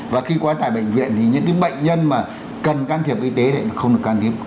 và khi quá tải bệnh viện thì những bệnh nhân mà cần can thiệp y tế không được can thiệp